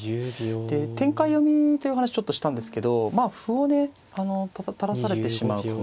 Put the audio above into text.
で展開読みという話ちょっとしたんですけどまあ歩をね垂らされてしまう可能性もありますね。